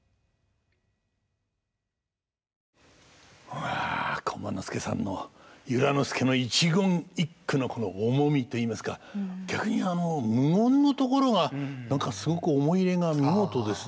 うわ駒之助さんの由良之助の一言一句の重みといいますか逆にあの無音のところが何かすごく思い入れが見事ですね。